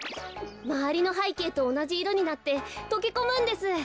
まわりのはいけいとおなじいろになってとけこむんです。